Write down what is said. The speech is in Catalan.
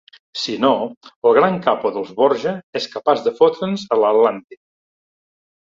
Si no, el gran capo del Borja és capaç de fotre'ns a l'Atlàntic.